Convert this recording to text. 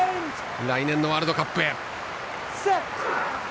来年のワールドカップへ。